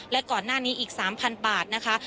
และก่อนหน้านี้อีก๓๐๐๐บาทนะคะ